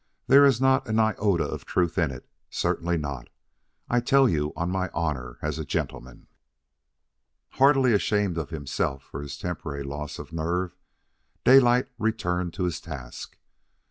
There is not an iota of truth in it certainly not. I tell you on my honor as a gentleman." Heartily ashamed of himself for his temporary loss of nerve, Daylight returned to his task.